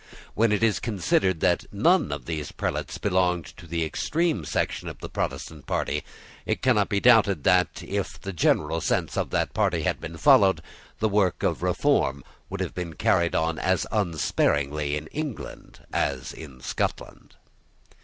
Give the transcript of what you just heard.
When it is considered that none of these prelates belonged to the extreme section of the Protestant party, it cannot be doubted that, if the general sense of that party had been followed, the work of reform would have been carried on as unsparingly in England as in Scotland.